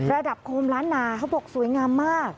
ระดับคมร้านนาเขาบอกสวยงามมาก